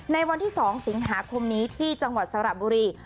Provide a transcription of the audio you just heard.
ในวันที่๒สิงหาคมนี้ที่จังหวัดสระบุรี